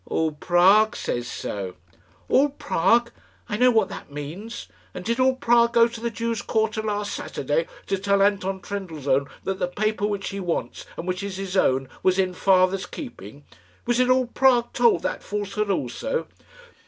"All Prague says so." "All Prague! I know what that means. And did all Prague go to the Jews' quarter last Saturday, to tell Anton Trendellsohn that the paper which he wants, and which is his own, was in father's keeping? Was it all Prague told that falsehood also?"